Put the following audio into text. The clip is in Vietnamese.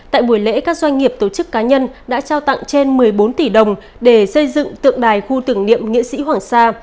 tại buổi lễ các doanh nghiệp tổ chức cá nhân đã trao tặng trên một mươi bốn tỷ đồng để xây dựng tượng đài khu tưởng niệm nghĩa sĩ hoàng sa